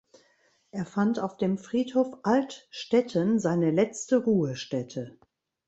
Er fand auf dem Friedhof Altstetten seine letzte Ruhestätte.